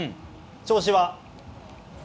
調子は。